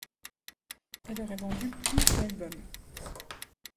Elle aurait vendu plus de d'albums.